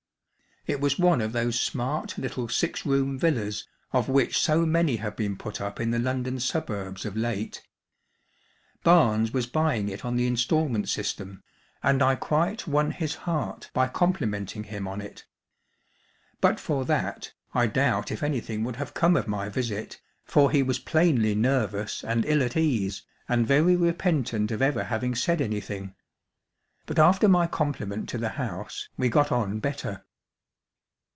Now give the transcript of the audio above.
It was one of those smart little six room villas of which so many have been put up in the London suburbs of late. Barnes was buying it on the instalment system, and I quite won his heart by complimenting him on it. But for that, I doubt if anything would have come of my visit, for he was plainly nervous and ill at ease and very repentant of ever having said anything. But after my compliment to the house we got on better.